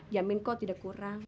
jamin kau tidak kuatnya